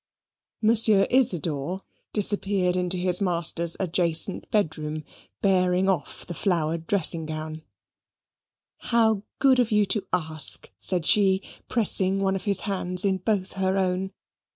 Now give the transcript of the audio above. Monsieur Isidor disappeared into his master's adjacent bedroom, bearing off the flowered dressing gown. "How good of you to ask," said she, pressing one of his hands in both her own.